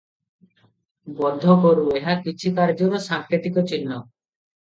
ବୋଧ କରୁ, ଏହା କିଛି କାର୍ଯ୍ୟର ସାଙ୍କେତିକ ଚିହ୍ନ ।